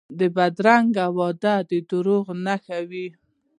بدرنګه وعدې د دروغو نښه وي